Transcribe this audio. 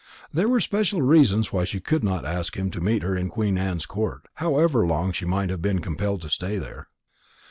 There were special reasons why she should not ask him to meet her in Queen Anne's Court, however long she might have been compelled to stay there.